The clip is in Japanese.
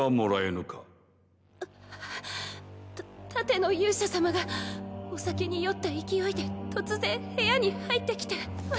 う盾の勇者様がお酒に酔った勢いで突然部屋に入ってきて私を押し倒して。